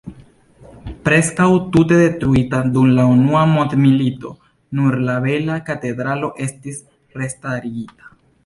Preskaŭ tute detruita dum la unua mondmilito, nur la bela katedralo estis restarigita.